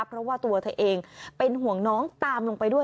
เพราะว่าตัวเธอเองเป็นห่วงน้องตามลงไปด้วย